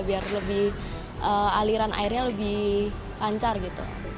biar lebih aliran airnya lebih lancar gitu